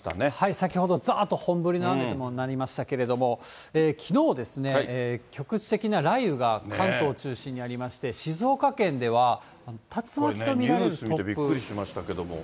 先ほどざっと本降りの雨にもなりましたけども、きのうですね、局地的な雷雨が関東中心にありまして、静岡県では竜巻と見られるニュース見てびっくりしまし